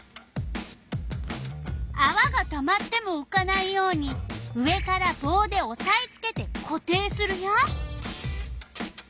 あわがたまってもうかないように上からぼうでおさえつけてこ定するよ。